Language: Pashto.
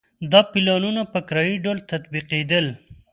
دا پلانونه په کرایي ډول تطبیقېدل.